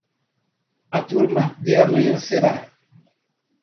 A turma de amanhã será